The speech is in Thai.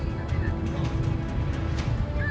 สวัสดีครับคุณผู้ชาย